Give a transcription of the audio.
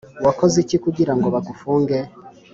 wakoze iki kugirango bagufunge?